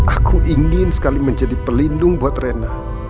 aku ingin sekali menjadi pelindung buat rena